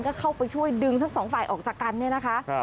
ก็เข้าไปช่วยดึงทั้งสองฝ่ายออกจากกันเนี่ยนะคะ